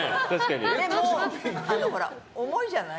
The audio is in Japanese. でも、重いじゃない。